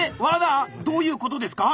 罠⁉どういうことですか？